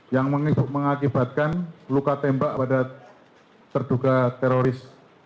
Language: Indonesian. yang mengakibatkan luka tembak pada terduga teroris